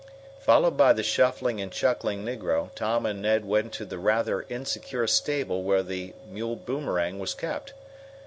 Followed by the shuffling and chuckling negro, Tom and Ned went to the rather insecure stable where the mule Boomerang was kept.